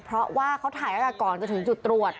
เพราะว่าเขาถ่ายตั้งแต่ก่อนจะถึงจุดตรวจ